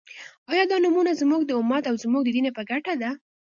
آیا دا نومؤنه زموږ د امت او زموږ د دین په ګټه ده؟